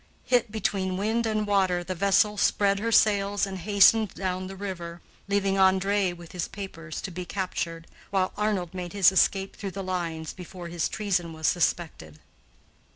Hit between wind and water, the vessel spread her sails and hastened down the river, leaving André, with his papers, to be captured while Arnold made his escape through the lines, before his treason was suspected.